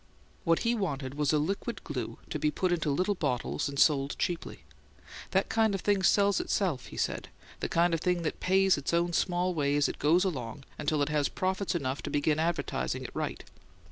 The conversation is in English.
What he wanted was a liquid glue to be put into little bottles and sold cheaply. "The kind of thing that sells itself," he said; "the kind of thing that pays its own small way as it goes along, until it has profits enough to begin advertising it right.